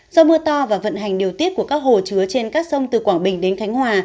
do mưa to và vận hành điều tiết của các hồ chứa trên các sông từ quảng bình đến khánh hòa